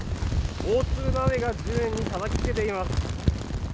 大粒の雨が地面に叩きつけています。